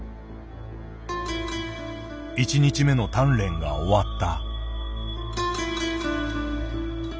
１日目の鍛錬が終わった。